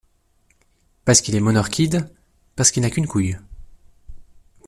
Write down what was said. Parce qu’il est Monorchide, parce qu’il n’a qu’une couille.